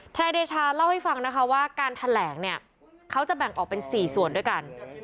นายเดชาเล่าให้ฟังนะคะว่าการแถลงเนี่ยเขาจะแบ่งออกเป็น๔ส่วนด้วยกัน